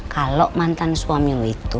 kalau mantan suami itu